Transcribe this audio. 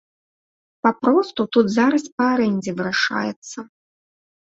Папросту тут зараз па арэндзе вырашаецца.